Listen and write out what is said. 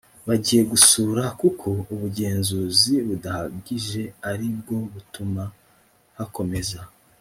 bagiye gusura kuko ubugenzuzi budahagije ari bwo butuma hakomeza